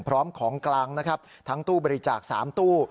พร้อมของกลางนะครับทั้งตู้บริจาค๓ตู้